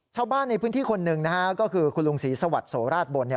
ชาวบ้านในพื้นที่คนหนึ่งก็คือคุณลุงศรีสวัสดิ์โสราชบน